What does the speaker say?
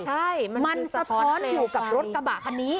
ใช่มันสะท้อนอยู่กับรถกระบะคันนี้